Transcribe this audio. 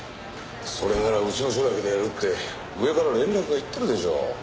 それならうちの署だけでやるって上から連絡がいってるでしょう。